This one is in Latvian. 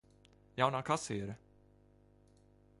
Jaunā kasiere.